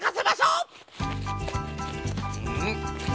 うん？